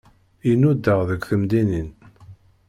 I nudaɣ deg temdinin.